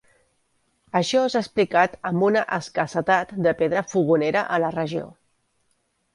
Això s'ha explicat amb una escassetat de pedra fogonera a la regió.